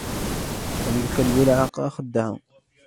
الكلب لعق خدها.